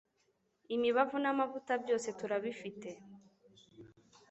imibavu namavuta byose turabifite